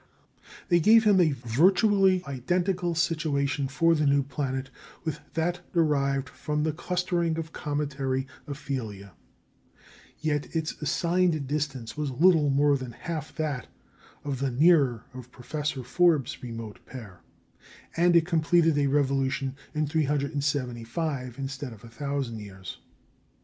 They gave him a virtually identical situation for the new planet with that derived from the clustering of cometary aphelia. Yet its assigned distance was little more than half that of the nearer of Professor Forbes's remote pair, and it completed a revolution in 375 instead of 1,000 years.